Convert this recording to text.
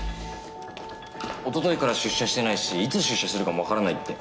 おとといから出社してないしいつ出社するかもわからないって。